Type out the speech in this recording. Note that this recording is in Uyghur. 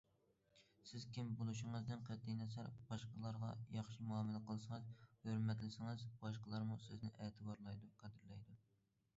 سىز كىم بولۇشىڭىزدىن قەتئىينەزەر باشقىلارغا ياخشى مۇئامىلە قىلسىڭىز، ھۆرمەتلىسىڭىز، باشقىلارمۇ سىزنى ئەتىۋارلايدۇ، قەدىرلەيدۇ.